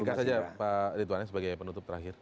singkat saja pak ridwan sebagai penutup terakhir